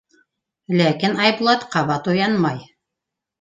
Ләкин Айбулат ҡабат уянмай.